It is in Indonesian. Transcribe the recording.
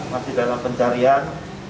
masih dalam pencarian